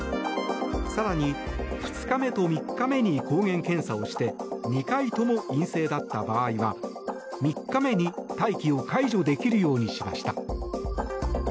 更に、２日目と３日目に抗原検査をして２回とも陰性だった場合は３日目に、待機を解除できるようにしました。